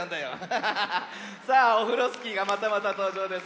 さあオフロスキーがまたまたとうじょうです。